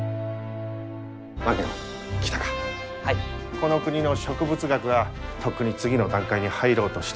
この国の植物学はとっくに次の段階に入ろうとしている。